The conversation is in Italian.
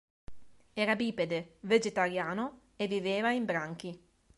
Era bipede, vegetariano e viveva in branchi.